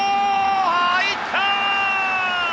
入った！